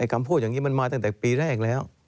คำพูดอย่างนี้มันมาตั้งแต่ปีแรกแล้ว